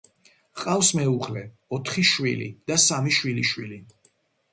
ჰყავს მეუღლე, ოთხი შვილი და სამი შვილიშვილი.